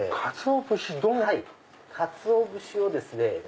かつお節をですね